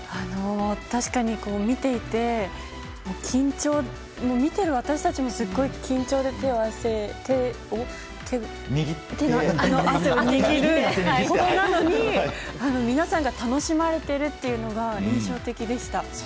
確かに見ていて緊張見ている私たちもすごい緊張で手の汗を握るほどなのに皆さんが楽しまれているというのが印象的でした。